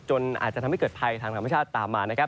อาจจะทำให้เกิดภัยทางธรรมชาติตามมานะครับ